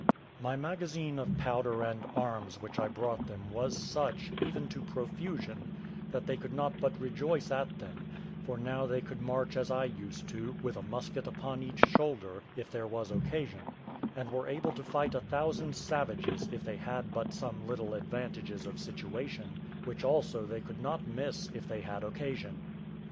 My magazine of powder and arms which I brought them was such, even to profusion, that they could not but rejoice at them; for now they could march as I used to do, with a musket upon each shoulder, if there was occasion; and were able to fight a thousand savages, if they had but some little advantages of situation, which also they could not miss, if they had occasion.